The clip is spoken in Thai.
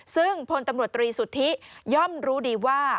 ซึ่งพลตำรวจตรีสุทธิย่อมรู้ดีว่า